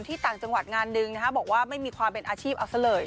ต่างจังหวัดงานหนึ่งนะฮะบอกว่าไม่มีความเป็นอาชีพเอาซะเลย